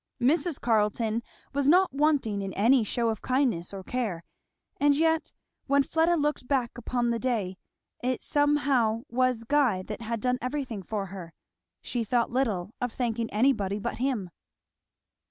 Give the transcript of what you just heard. Mrs. Carleton was not wanting in any shew of kindness or care, and yet, when Fleda looked back upon the day, it somehow was Guy that had done everything for her; she thought little of thanking anybody but him.